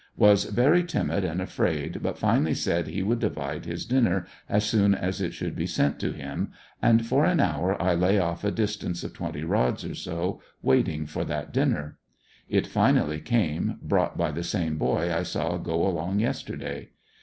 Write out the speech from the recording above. Was very timid and afraid, but finally said he would divide his dinner as soon as it should be sent to him, and for an hour I lay off a dis tance of twenty rods or so, waiting for that dinner. It finally came, brought by the same boy I saw go along yesterday.